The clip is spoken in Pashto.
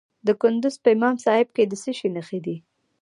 د کندز په امام صاحب کې د څه شي نښې دي؟